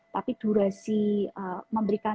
tapi durasi memberikan